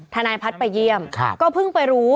ทนายพัฒน์ไปเยี่ยมก็เพิ่งไปรู้